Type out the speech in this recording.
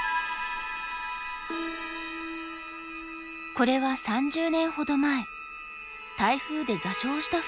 これは３０年ほど前台風で座礁した船なんだとか。